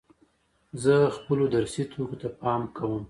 زه خپلو درسي توکو ته پام کوم.